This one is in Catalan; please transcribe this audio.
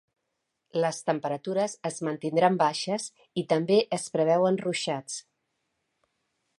Les temperatures es mantindran baixes i també es preveuen ruixats.